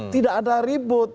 tidak ada ribut